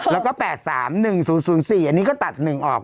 แล้วก็๘๓๑๐๐๔อันนี้ก็ตัด๑ออก